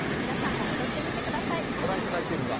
皆さんも踊ってみてさい。